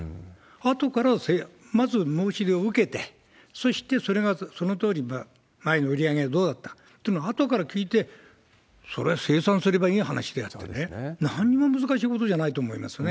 あとからまず申し入れを受けて、そしてそれがそのとおりに、前の売り上げがどうだったというのをあとから聞いて、それは清算すればいい話であってね、何も難しいことじゃないと思いますね。